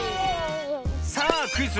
さあクイズ